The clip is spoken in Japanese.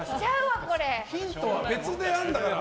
ヒントは別であるんだから。